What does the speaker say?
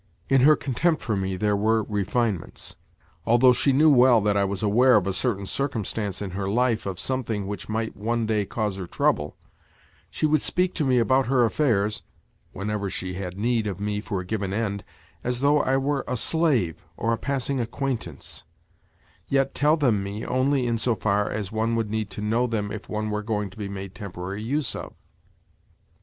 In her contempt for me there were refinements. Although she knew well that I was aware of a certain circumstance in her life of something which might one day cause her trouble, she would speak to me about her affairs (whenever she had need of me for a given end) as though I were a slave or a passing acquaintance—yet tell them me only in so far as one would need to know them if one were going to be made temporary use of.